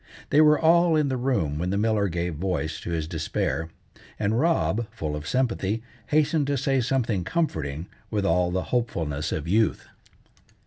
They were all in the room when the miller gave voice to his despair, and Rob, full of sympathy, hastened to say something comforting, with all the hopefulness of youth.